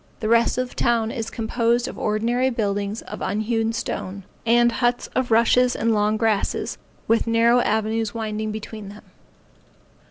The rest of the town is composed of ordinary buildings of unhewn stone, and huts of rushes and long grass, with narrow avenues winding between them.